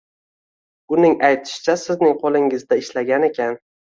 Uning aytishicha, sizning qoʻlingizda ishlagan ekan.